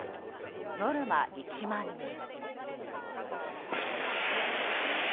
ノルマ１万人。